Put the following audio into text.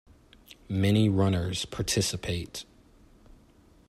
Many runners participate.